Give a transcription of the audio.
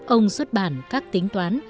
ông xuất bản các tính toán